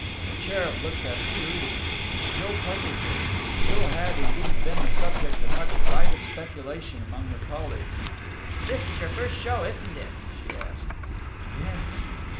The cherub looked at her curiously. Jill puzzled her. Jill had, indeed, been the subject of much private speculation among her colleagues. "This is your first show, ithn't it?" she asked. "Yes."